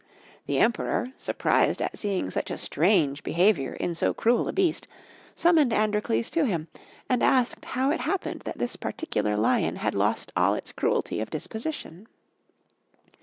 The Emperor, surprised at seeing such a strange behaviour in so cruel a beast, summoned Androcles to him and asked him how it happened that this particular lion had lost all its cruelty of disposition.